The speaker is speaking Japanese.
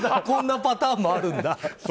こんなパターンもあるんだ。